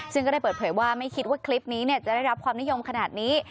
ซึ่งก็ได้เปิดเผยว่าไม่คิดว่าคลิปนี้จะได้รับความนิยมขนาดนี้